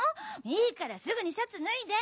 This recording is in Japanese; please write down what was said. いいからすぐにシャツ脱いで！